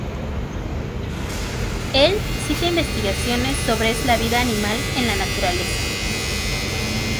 El cita investigaciones sobre es la vida animal en la naturaleza.